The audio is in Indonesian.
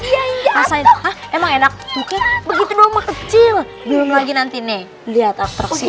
ya ya ya ya emang enak begitu kecil belum lagi nanti nih lihat atroksi